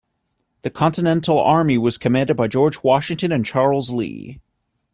The Continental Army was commanded by George Washington and Charles Lee.